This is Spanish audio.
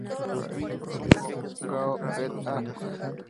Sin embargo, Gao "et al.